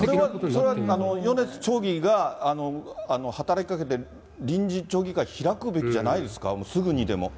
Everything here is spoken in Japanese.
それは米津町議が働きかけて、臨時町議会開くべきじゃないですか、すぐにでも。